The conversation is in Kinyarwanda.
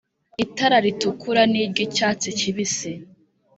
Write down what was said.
itara ritukura n'iry'icyatsi kibisi